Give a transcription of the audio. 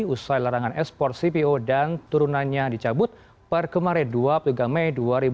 usai larangan ekspor cpo dan turunannya dicabut per kemarin dua puluh tiga mei dua ribu dua puluh